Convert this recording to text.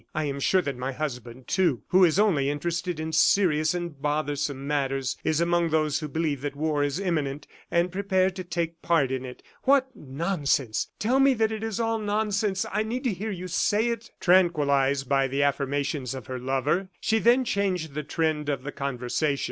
I am sure that my husband, too, who is only interested in serious and bothersome matters, is among those who believe that war is imminent and prepare to take part in it. What nonsense! Tell me that it is all nonsense. I need to hear you say it." Tranquilized by the affirmations of her lover, she then changed the trend of the conversation.